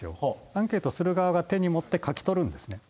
アンケートする側が手に持って書き取るんですね。